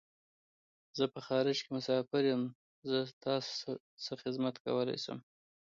زه په خارج کی مسافر یم . زه تاسو څه خدمت کولای شم